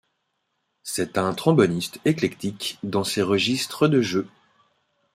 C'est un tromboniste éclectique dans ses registres de jeux.